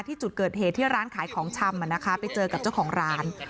ที่จุดเกิดเหตุที่ร้านขายของชำไปเจอกับเจ้าของร้าน